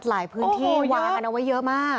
หลายพื้นที่วางกันเอาไว้เยอะมาก